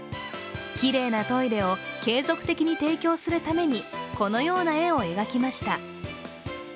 きれいなトイレを継続的に提供するためにこのような絵を描きました。